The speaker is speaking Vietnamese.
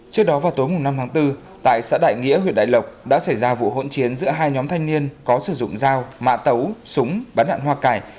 trước đó vào tối năm tháng bốn tại xã đại nghĩa huyện đại lộc đã xảy ra vụ hỗn chiến giữa hai nhóm thanh niên có sử dụng dao mạ tấu súng bắn đạn hoa cải